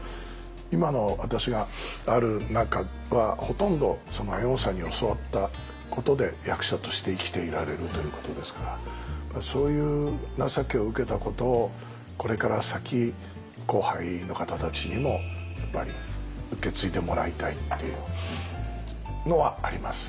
今の私がある中はほとんど猿翁さんに教わったことで役者として生きていられるということですからそういう情けを受けたことをこれから先後輩の方たちにもやっぱり受け継いでもらいたいっていうのはあります。